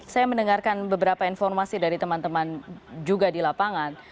saya mendengarkan beberapa informasi dari teman teman juga di lapangan